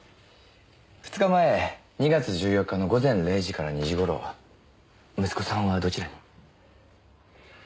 ２日前２月１４日の午前０時から２時頃息子さんはどちらに？